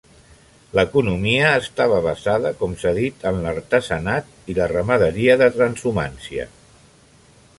L'economia estava basada, com s'ha dit, en l'artesanat i la ramaderia de transhumància.